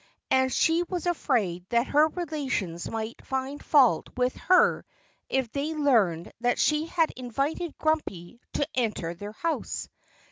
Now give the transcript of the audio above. And she was afraid that her relations might find fault with her if they learned that she had invited Grumpy to enter their house.